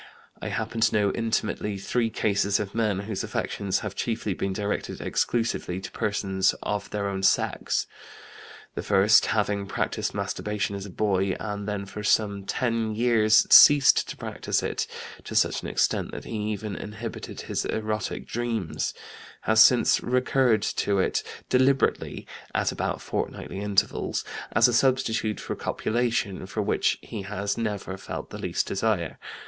I happen to know intimately three cases of men whose affections have chiefly been directed exclusively to persons of their own sex. The first, having practised masturbation as a boy, and then for some ten years ceased to practise it (to such an extent that he even inhibited his erotic dreams), has since recurred to it deliberately (at about fortnightly intervals) as a substitute for copulation, for which he has never felt the least desire.